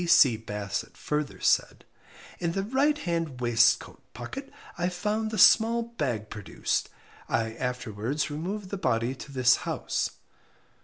P.C. Bassett further said In the right hand waistcoat pocket I found the small bag produced. I afterwards removed the body to this house.